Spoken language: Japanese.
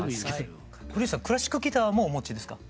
堀内さんクラシックギターもお持ちですか？